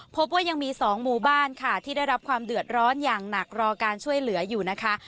พบว่ายังมี๒หมู่บ้านค่ะที่ได้รับความเดือดร้อนอย่างหนักรอการช่วยเหลืออยู่นะคะ